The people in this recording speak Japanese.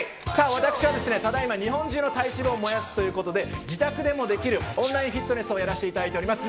私はただいま日本中の体脂肪を燃やすということで自宅でもできるオンラインフィットネスをやらせていただいております。